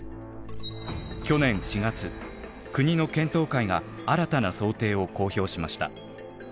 去年４月国の検討会が新たな想定を公表しました。